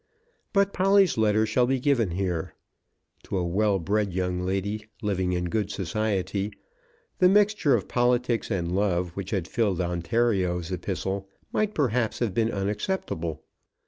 But Polly's letter shall be given here. To a well bred young lady, living in good society, the mixture of politics and love which had filled Ontario's epistle might perhaps have been unacceptable.